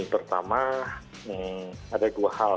pertama ada dua hal